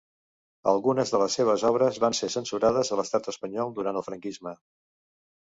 Algunes de les seves obres van ser censurades a l'estat espanyol durant el franquisme.